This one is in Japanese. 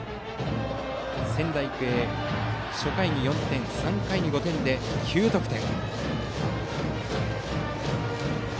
仙台育英は初回に４点３回に５点で９得点。